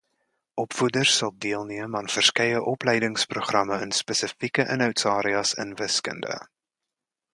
Opvoeders sal deelneem aan verskeie opleidingsprogramme in spesifieke inhoudsareas in Wiskunde.